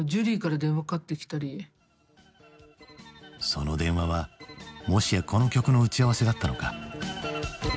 その電話はもしやこの曲の打ち合わせだったのか？